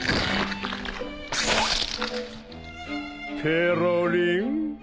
ペロリン。